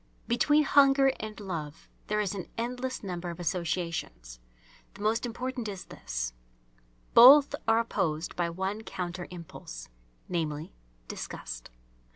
Between hunger and love there is an endless number of associations. The most important is this: both are opposed by one counter impulse, namely, disgust.